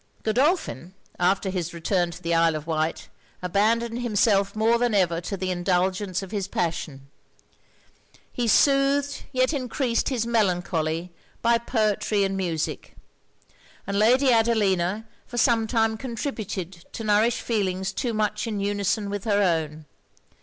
Godolphin, after his return to the Isle of Wight, abandoned himself more than ever to the indulgence of his passion. He soothed yet encreased his melancholy by poetry and music; and Lady Adelina for some time contributed to nourish feelings too much in unison with her own.